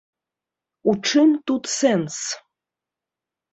У чым тут сэнс?